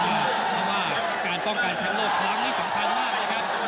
เพราะว่าการป้องกันแชมป์โลกครั้งนี้สำคัญมากนะครับ